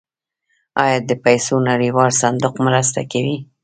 آیا د پیسو نړیوال صندوق مرسته کوي؟